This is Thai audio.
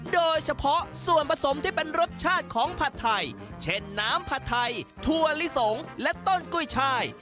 โดยเฉพาะส่วนผสมที่เป็นรสชาติของผัดไทยเช่นน้ำผัดไทยถั่วลิสงและต้นกุ้ยชาย